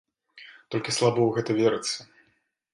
Толькі слаба ў гэта верыцца.